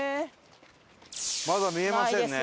まだ見えませんね。